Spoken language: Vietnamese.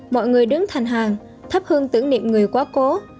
mọi người đứng thành hàng thắp hương tưởng niệm người quá cố